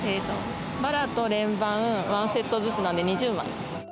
ばらと連番１セットずつなので２０枚。